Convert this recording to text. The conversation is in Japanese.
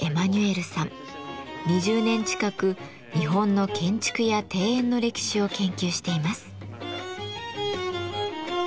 ２０年近く日本の建築や庭園の歴史を研究しています。